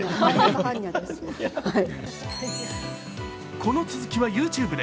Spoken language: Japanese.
この続きはＹｏｕＴｕｂｅで。